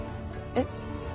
えっ。